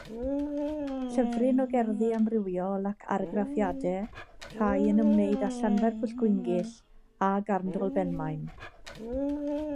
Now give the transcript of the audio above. Llyfryn o gerddi amrywiol ac argraffiadau, rhai yn ymwneud â Llanfairpwllgwyngyll a Garndolbenmaen.